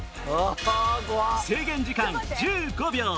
制限時間１５秒